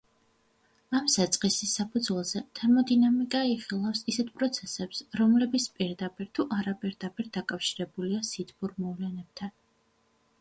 ამ საწყისის საფუძველზე თერმოდინამიკა იხილავს ისეთ პროცესებს, რომლებიც პირდაპირ თუ არაპირდაპირ დაკავშირებულია სითბურ მოვლენებთან.